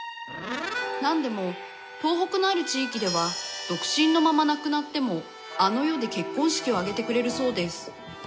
「何でも東北のある地域では独身のまま亡くなってもあの世で結婚式を挙げてくれるそうです」